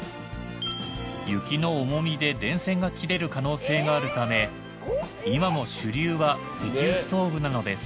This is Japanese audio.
雪の重みで電線が切れる可能性があるため今も主流は石油ストーブなのです。